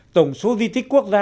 tổng số di tích quốc gia